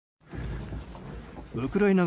ウクライナ